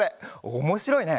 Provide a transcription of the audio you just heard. おもしろいね。